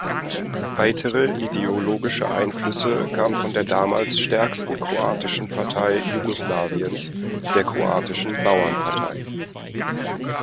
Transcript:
Weitere ideologische Einflüsse kamen von der damals stärksten kroatischen Partei Jugoslawiens, der Kroatischen Bauernpartei.